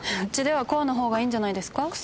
うちではコアの方がいいんじゃないですか？